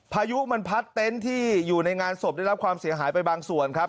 พายุมันพัดเต็นต์ที่อยู่ในงานศพได้รับความเสียหายไปบางส่วนครับ